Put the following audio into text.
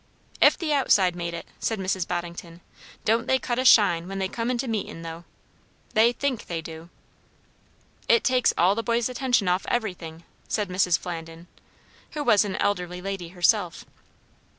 "If the outside made it," said Mrs. Boddington. "Don't they cut a shine when they come into meetin', though! They think they do." "It takes all the boys' attention off everything," said Mrs. Flandin, who was an elderly lady herself.